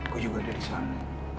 gua juga dari sana